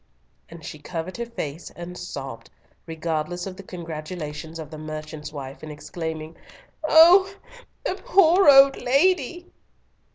And she covered her face and sobbed, regardless of the congratulations of the merchant's wife, and exclaiming, "Oh! the poor old lady!"